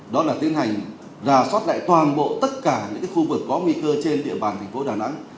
đó là tiến hành rà soát lại toàn bộ tất cả những khu vực có nguy cơ trên địa bàn thành phố đà nẵng